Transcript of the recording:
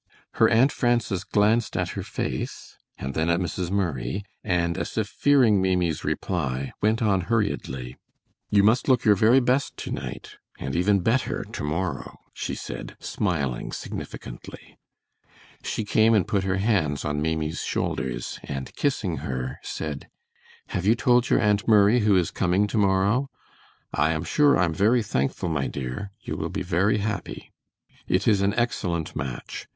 Her Aunt Frances glanced at her face and then at Mrs. Murray, and as if fearing Maimie's reply, went on hurriedly, "You must look your very best to night, and even better to morrow," she said, smiling, significantly. She came and put her hands on Maimie's shoulders, and kissing her, said: "Have you told your Aunt Murray who is coming to morrow? I am sure I'm very thankful, my dear, you will be very happy. It is an excellent match.